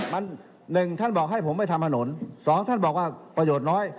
มัน๑ท่านบอกให้ผมไปทำถนนสองท่านบอกว่าประโยชน์น้อย